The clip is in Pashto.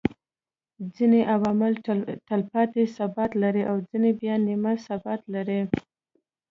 ځيني عوامل تلپاتي ثبات لري او ځيني بيا نيمه ثبات لري